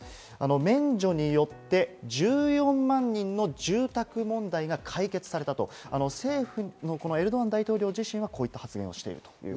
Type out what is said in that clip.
免除によって１４万人の住宅問題が解決されたと政府のエルドアン大統領自身はこういった発言をしています。